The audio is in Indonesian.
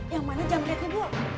yang mana jamretnya bu